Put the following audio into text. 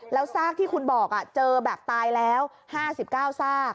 แล้วซากที่คุณบอกเจอแบบตายแล้ว๕๙ซาก